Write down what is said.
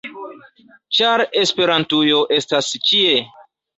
ĉar Esperantujo estas ĉie!